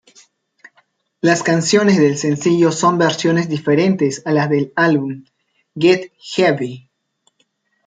Las canciones del sencillo son versiones diferentes a las del álbum "Get Heavy".